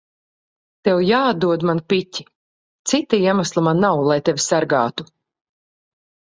Tev jāatdod man piķi. Cita iemesla man nav, lai tevi sargātu.